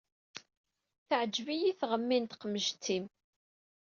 Teɛǧeb-iyi teɣmi n tqemǧet-im.